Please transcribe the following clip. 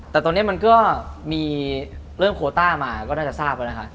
แต่ตอนนี้มันก็มีเรื่องโคต้ามาก็น่าจะทราบแล้วนะคะ